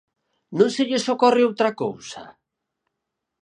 ¿Non se lles ocorre outra cousa?